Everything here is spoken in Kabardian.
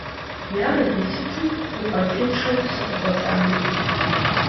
Ярэби, сыту гукъэкӀыншэу сыкъыщӀэкӀа.